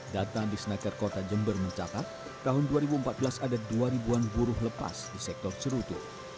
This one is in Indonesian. data di snaker kota jember mencatat tahun dua ribu empat belas ada dua ribuan buruh lepas di sektor cerutu